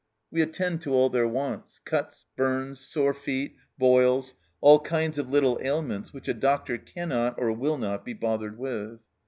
We attend to all their wants : cuts, burns, sore feet, boils, all kinds of little ailments which a doctor cannot, or will not, be bothered with."